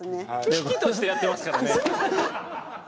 喜々としてやってますからね。